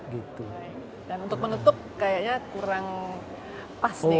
dan untuk menutup kayaknya kurang pas nih